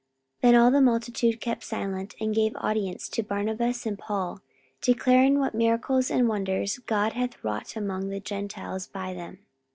44:015:012 Then all the multitude kept silence, and gave audience to Barnabas and Paul, declaring what miracles and wonders God had wrought among the Gentiles by them.